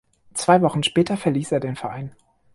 Zwei Wochen später verließ er den Verein.